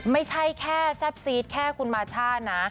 ไม่ใช่แค่แซ่บซีดแค่คุณมาช่านะ